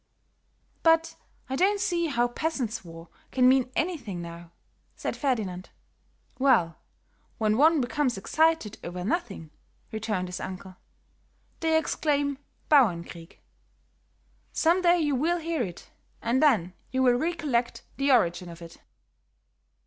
"But I don't see how peasant's war can mean anything now," said Ferdinand. "Well, when one becomes excited over nothing," returned his uncle, "they exclaim 'Bauernkrieg.' Some day you will hear it, and then you will recollect the origin of it."